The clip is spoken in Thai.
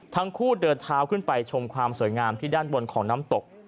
ทั้งคู่เดินเท้าขึ้นไปชมความสวยงามที่ด้านบนของน้ำตก